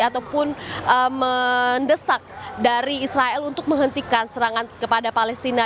ataupun mendesak dari israel untuk menghentikan serangan kepada palestina